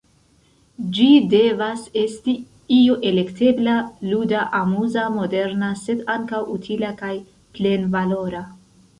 Ĝi devas esti io elektebla, luda, amuza, moderna sed ankaŭ utila kaj plenvalora.